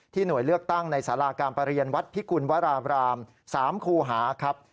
หน่วยเลือกตั้งในสาราการประเรียนวัดพิกุลวราบราม๓คูหาครับ